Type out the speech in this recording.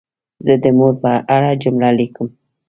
زه د مور په اړه جمله لیکم.